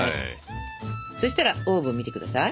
そしたらオーブン見て下さい。